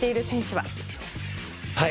はい。